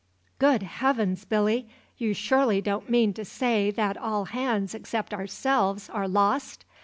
"Good Heavens, Billy, you surely don't mean to say that all hands except ourselves are lost!"